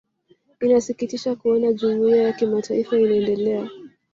inasikitisha kuona jumuiya ya kimataifa inaendelea